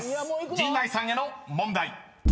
陣内さんへの問題］